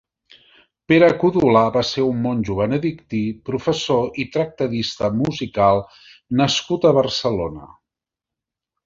Pere Codolar va ser un monjo benedictí, professor i tractadista musical nascut a Barcelona.